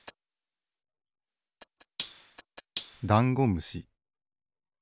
ダンゴムシ。